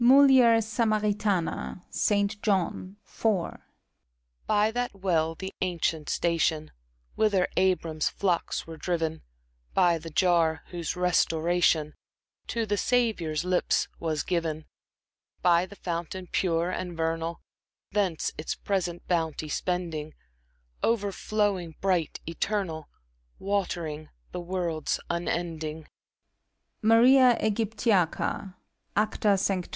— MULIER SAMARITANA. (St, John, iv.) By that well, the ancient station Whither Abram's flocks were driven; By the jar, whose restoration To the Saviour's lips was given j By the fountain, pure and vernal, Thence its present bounty spending, — Overflowing, bright, eternal, Watering the worlds unending! — MARIA iBGYPTiACA. (Acta Sanctorum.)